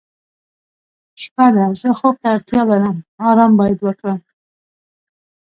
شپه ده زه خوب ته اړتیا لرم آرام باید وکړم.